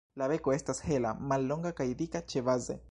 La beko estas hela, mallonga kaj dika ĉebaze.